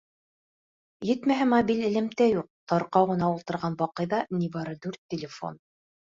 Етмәһә, мобиль элемтә юҡ, тарҡау ғына ултырған Баҡыйҙа ни бары дүрт телефон...